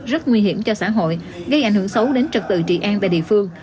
rất nguy hiểm cho xã hội gây ảnh hưởng xấu đến trật tự trị an tại địa phương